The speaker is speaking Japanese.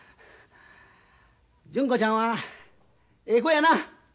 純子ちゃんはええ子やな。